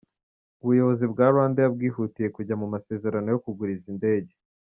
Ubuyobozi bwa Rwandair bwihutiye kujya mu masezerano yo kugura izindi ndege.